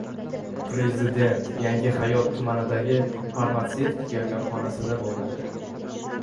Prezident Yangihayot tumanidagi farmatsevtika korxonasida bo‘ldi